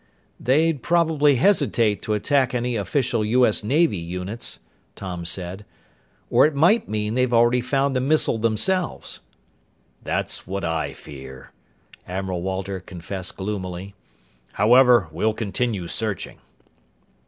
"They'd probably hesitate to attack any official U.S. Navy units," Tom said. "Or it might mean they've already found the missile themselves." "That's what I fear," Admiral Walter confessed gloomily. "However, we'll continue searching."